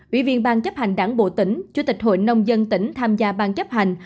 ủy viên bang chấp hành đảng bộ tỉnh chủ tịch hội nông dân tỉnh tham gia bang chấp hành